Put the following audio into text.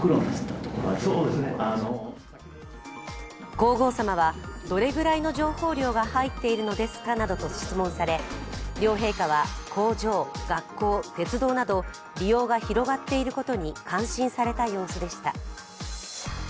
皇后さまは、どれぐらいの情報量が入っているのですかなどと質問され両陛下は工場、学校、鉄道など利用が広がっていることに感心された様子でした。